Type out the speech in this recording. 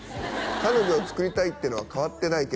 「彼女を作りたいってのは変わってないけど」